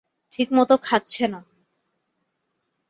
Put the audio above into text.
ঠিকমত খাচ্ছে না।